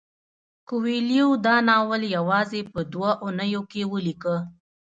کویلیو دا ناول یوازې په دوه اونیو کې ولیکه.